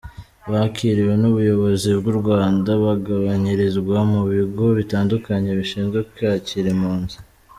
Bakiriwe n’ubuyobozi bw’u Rwanda, bagabanyirizwa mu bigo bitandukanye bishinzwe kwakira impunzi.